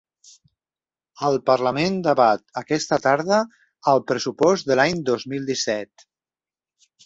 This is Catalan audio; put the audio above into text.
El parlament debat aquesta tarda el pressupost de l’any dos mil disset.